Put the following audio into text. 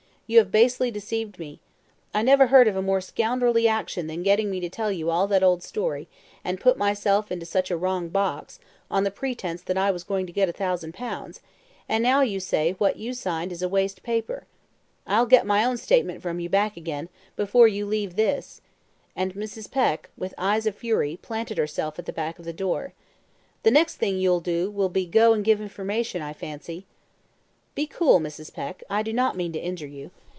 You have basely deceived me. I never heard of a more scoundrelly action than getting me to tell you all that old story, and put myself into such a wrong box, on the pretence that I was to get a thousand pounds, and now you say that what you signed is waste paper. I'll get my own statement from you back again, before you leave this," and Mrs. Peck, with eyes of fury, planted herself at the back of the door. The next thing you'll do will be go and give information, I fancy. "Be cool, Mrs. Peck; I do not mean to injure you.